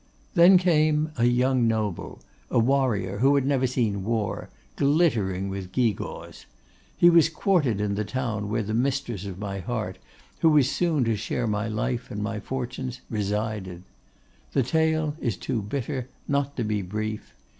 'There came a young noble, a warrior who had never seen war, glittering with gewgaws. He was quartered in the town where the mistress of my heart, who was soon to share my life and my fortunes, resided. The tale is too bitter not to be brief.